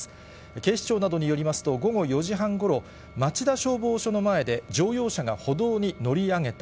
警視庁などによりますと、午後４時半ごろ、町田消防署の前で乗用車が歩道に乗り上げた。